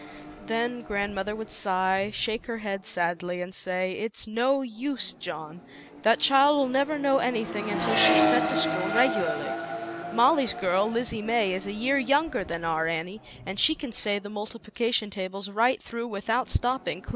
Then grandmother would sigh, shake her head sadly and say, "Its no use, John, that child'll never know anything until she is sent to school regularly. Molly's girl, Lizzie May, is a year ZAUBERLINDA, THE WISE WITCH. younger than our Annie, and the multiplication tables right 1 i without stopping, cl( .